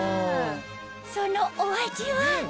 そのお味は？